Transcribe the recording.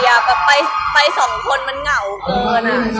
หมายความคิดว่าเป็นที่ใหม่เข้ามาด้วยหรือ